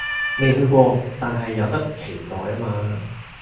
未去過，但係有得期待吖嘛